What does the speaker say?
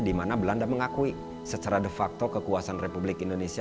di mana belanda mengakui secara de facto kekuasaan republik indonesia